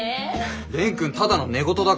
蓮くんただの寝言だから。